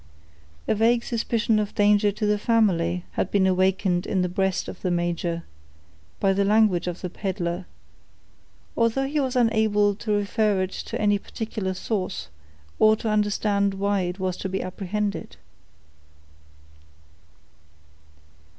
A vague suspicion of danger to the family had been awakened in the breast of the major, by the language of the peddler, although he was unable to refer it to any particular source, or to understand why it was to be apprehended.